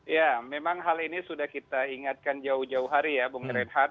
ya memang hal ini sudah kita ingatkan jauh jauh hari ya bung reinhardt